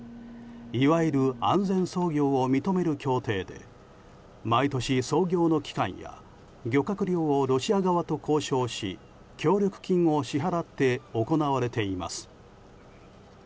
いわゆる安全操業を認める協定で毎年、操業の期間や漁獲量をロシア側と交渉し協力金を支払って行われています。